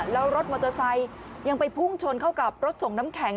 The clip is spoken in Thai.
แล้วรถมอเตอร์ไซค์ยังไปพุ่งชนเข้ากับรถส่งน้ำแข็ง